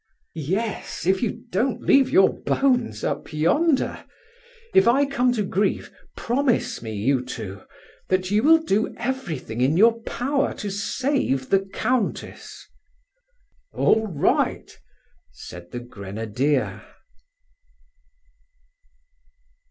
"Yes, if you don't leave your bones up yonder. If I come to grief, promise me, you two, that you will do everything in your power to save the Countess." "All right," said the grenadier.